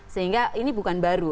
sehingga ini bukan baru